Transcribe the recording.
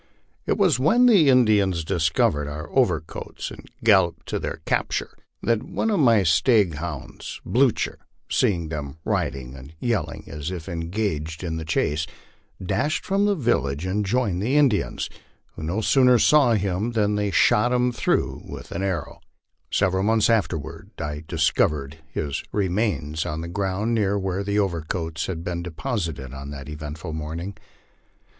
It was when the Indians discovered our overcoats and galloped to their capture, that one of my staghounds, Blucher, seeing them riding and yelling as if engaged in the chase, dashed from the village and joined the In dians, who no sooner saw him than they shot him through with an arrow. 174 LIFE ON THE PLAINS. Several months afterward I discovered his remains on the ground near where the overcoats had been deposited on that eventful morning.